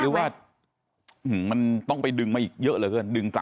หรือว่ามันต้องไปดึงมาอีกเยอะเลยครับ